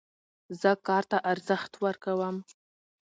زه کار ته ارزښت ورکوم.